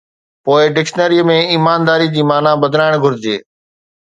پوءِ ڊڪشنري ۾ ’ايمانداري‘ جي معنيٰ بدلائڻ گهرجي.